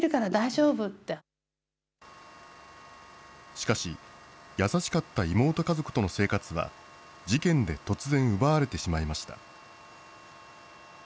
しかし、優しかった妹家族との生活は、事件で突然奪われてしまいました。